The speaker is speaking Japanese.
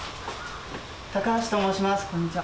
高橋と申します、こんにちは。